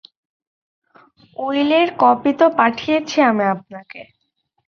উইলের copy তো পাঠিয়েছি আমি আপনাকে।